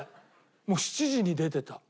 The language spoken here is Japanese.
もう７時に出てた。